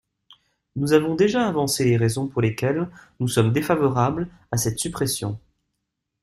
Nous avons déjà avancé les raisons pour lesquelles nous sommes défavorables à cette suppression.